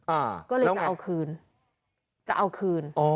อ่าก็เลยจะเอาคืนจะเอาคืนอ๋อ